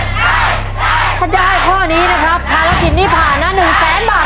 ถ้าได้ข้อนี้นะครับธนาคิดนี้ผ่านหน้าหนึ่งแสนบาท